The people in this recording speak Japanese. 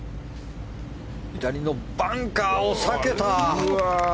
左のバンカーを避けた！